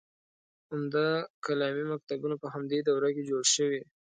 عمده کلامي مکتبونه په همدې دوره کې جوړ شوي.